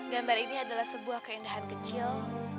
gambar ini adalah sebuah keindahan kecil